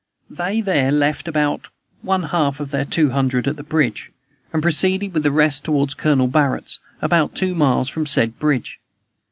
They there left about one half of their two hundred at the bridge, and proceeded with the rest toward Colonel Barrett's, about two miles from the said bridge.